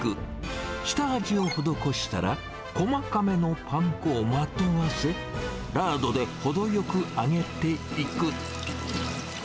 下味を施したら、細かめのパン粉をまとわせ、ラードで程よく揚げていく。